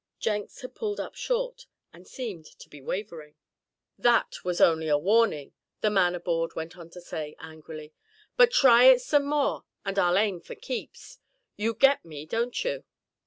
Jenks had pulled up short, and seemed to be wavering. "That was only a warning," the man aboard went on to say, angrily; "but try it some more, and I'll aim for keeps. You get me, don't you?"